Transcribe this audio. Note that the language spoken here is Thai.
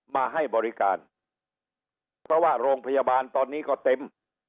มาให้บริการเพราะว่าโรงพยาบาลตอนนี้ก็เต็ม